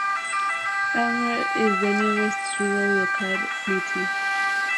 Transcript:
Amur is the nearest rural locality.